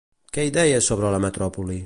Què hi deia sobre la metròpoli?